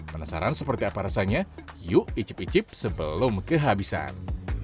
penasaran seperti apa rasanya yuk icip icip sebelum kehabisan